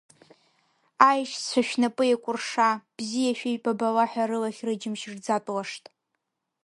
Аешьцәа шәнапы еикәырша, бзиа шәеибабала ҳәа рылахь-рыџьымшь рӡатәлашт.